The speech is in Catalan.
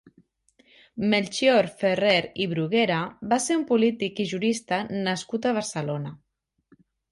Melcior Ferrer i Bruguera va ser un polític i jurista nascut a Barcelona.